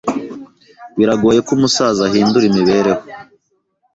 Biragoye ko umusaza ahindura imibereho.